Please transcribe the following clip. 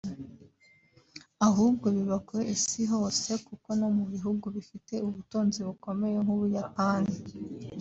ahubwo biba ku Isi hose kuko no mu bihugu bifite ubutunzi bukomeye nk’u Buyapani